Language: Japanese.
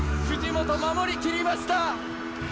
藤本、守り切りました。